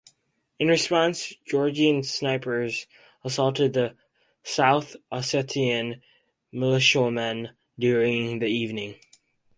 In response, Georgian snipers assaulted the South Ossetian militiamen during the evening.